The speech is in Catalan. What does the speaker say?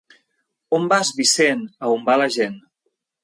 On vas Vicent? —A on va la gent.